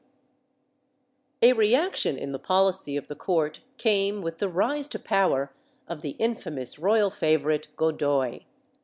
^ A reaction in the policy of the court came with the rise to power of the infamous royal favorite Godoy.